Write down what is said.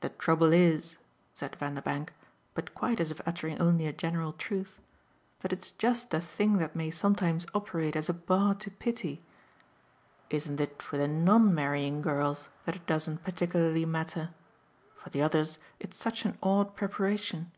"The trouble is," said Vanderbank but quite as if uttering only a general truth "that it's just a thing that may sometimes operate as a bar to pity. Isn't it for the non marrying girls that it doesn't particularly matter? For the others it's such an odd preparation."